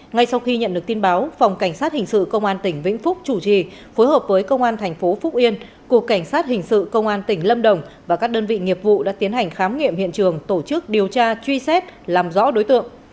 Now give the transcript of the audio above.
ngay sau khi nhận được tin báo phòng cảnh sát hình sự công an tỉnh vĩnh phúc chủ trì phối hợp với công an thành phố phúc yên cục cảnh sát hình sự công an tỉnh lâm đồng và các đơn vị nghiệp vụ đã tiến hành khám nghiệm hiện trường tổ chức điều tra truy xét làm rõ đối tượng